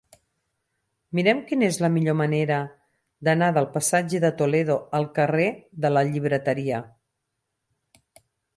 Mira'm quina és la millor manera d'anar del passatge de Toledo al carrer de la Llibreteria.